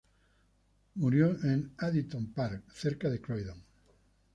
Murió en Addington Park, cerca de Croydon.